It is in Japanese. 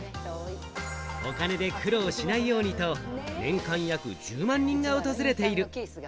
お金で苦労しないようにと、年間約１０万人が訪れている。